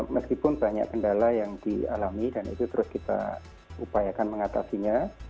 meskipun banyak kendala yang dialami dan itu terus kita upayakan mengatasinya